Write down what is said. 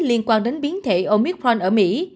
liên quan đến biến thể omicron ở mỹ